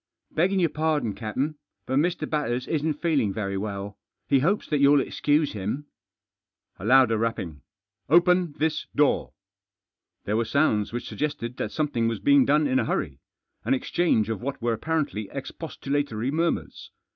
"Beggin' your pardon, captain, but Mr. Batters isn't feeling very well. He hopes that you'll excuse him." v A louder rapping. " Open this door." There were sounds which suggested that something was being done in a hurry ; an exchange of what were apparently expostulatory murmurs.